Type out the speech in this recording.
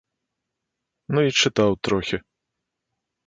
Ну і чытаў трохі.